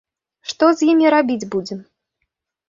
Што з імі рабіць будзем?